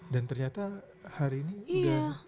dan ternyata hari ini udah